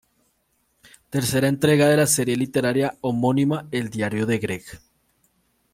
Tercera entrega de la serie literaria homónima "El diario de Greg".